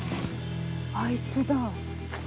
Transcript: あいつだ。